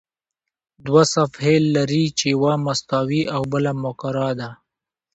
دوه صفحې لري چې یوه مستوي او بله مقعره ده.